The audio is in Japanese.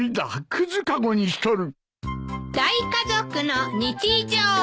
くず籠にしとる！